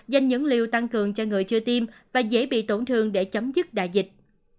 dành những liều tăng cường cho người chưa tiêm và dễ bị tổn thương để chấm dứt đại dịch